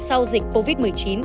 sau dịch covid một mươi chín